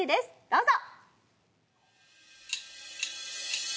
どうぞ！